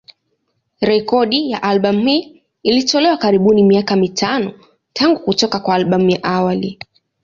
Rekodi ya albamu hii ilitolewa karibuni miaka mitano tangu kutoka kwa albamu ya awali.